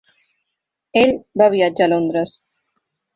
Ell va viatjar a Londres.